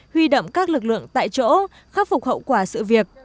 huy động các lực lượng tại chỗ khắc phục hậu quả sự việc